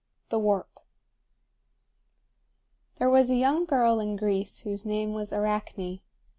THE WARP. There was a young girl in Greece whose name was Arachne.